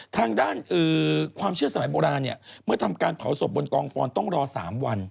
ทางด้านความเชื่อสมัยโบราณเนี่ยเมื่อทำการเผาศพบนกองฟอนต้องรอ๓วัน